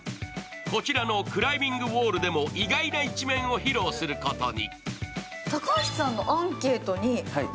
こちらのクライミングウォールでも意外な一面を披露することに。